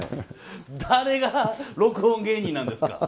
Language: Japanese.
誰が録音芸人なんですか。